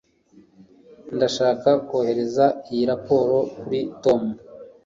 ndashaka kohereza iyi raporo kuri tom